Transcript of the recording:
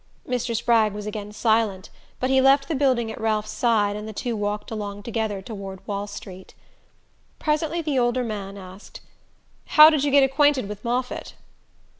Mr. Spragg was again silent, but he left the building at Ralph's side, and the two walked along together toward Wall Street. Presently the older man asked: "How did you get acquainted with Moffatt?"